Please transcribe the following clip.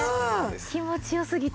気持ち良すぎて。